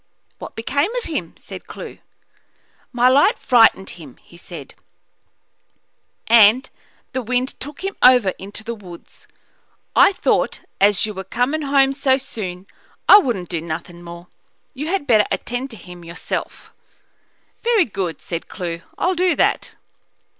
"What became of him?" asked Clewe. "My light frightened him," he said, "and the wind took him over into the woods. I thought, as you were comin' home so soon, I wouldn't do nothin' more. You had better attend to him yourself." "Very good," said Clewe. "I'll do that."